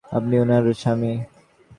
আপনি উনার স্বামী।